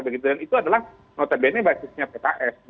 dan itu adalah notabene basisnya pks